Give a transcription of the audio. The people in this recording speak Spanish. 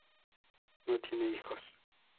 No tiene hijos.